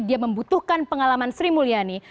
dia membutuhkan pengalaman sri mulyani